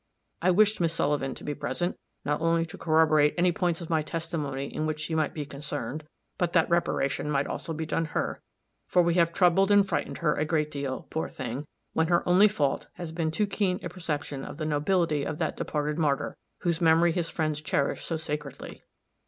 I wished Miss Sullivan to be present, not only to corroborate any points of my testimony in which she might be concerned, but that reparation might also be done her, for we have troubled and frightened her a great deal, poor thing, when her only fault has been too keen a perception of the nobility of that departed martyr, whose memory his friends cherish so sacredly.